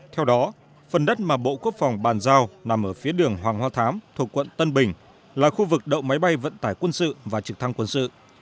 theo đó phần đất mà bộ quốc phòng bàn giao nằm ở phía đường hoàng hoa thám thuộc quận tân bình là khu vực đậu máy bay vận tải quân sự và trực thăng quân sự